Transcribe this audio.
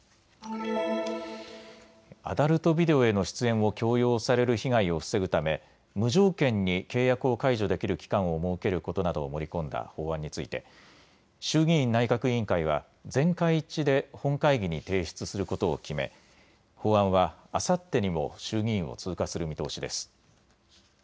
アダルトビデオへの出演を強要される被害を防ぐため無条件に契約を解除できる期間を設けることなどを盛り込んだ法案について衆議院内閣委員会は全会一致で本会議に提出することを決め法案はあさってにも衆議院を通過する見通しです。